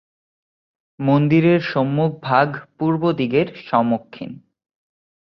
মন্দিরের সম্মুখ ভাগ পূর্ব দিকের সম্মুখীন।